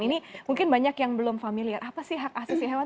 ini mungkin banyak yang belum familiar apa sih hak asasi hewan